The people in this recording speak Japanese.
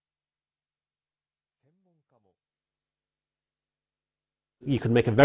専門家も。